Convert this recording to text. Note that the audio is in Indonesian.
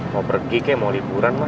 mau pergi ke mau liburan mah